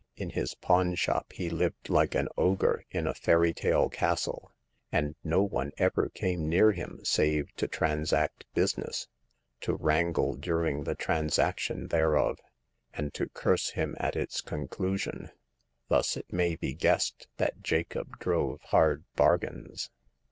In his pawn shop he lived like an ogre in a fairy tale castle, and no one ever came near him save to transact business, to wrangle during the transaction thereof, and to curse him at its conclusion. Thus it may be guessed that Jacob drove hard bargains.